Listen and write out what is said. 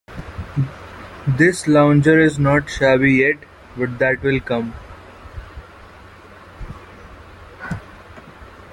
This lounger is not shabby yet, but that will come.